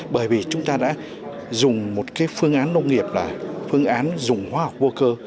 bởi vì chúng ta đã dùng một phương án nông nghiệp là phương án dùng hóa học vô cơ